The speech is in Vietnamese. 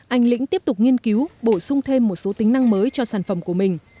anh lĩnh tiếp tục nghiên cứu bổ sung thêm một số tính năng mới cho sản phẩm của mình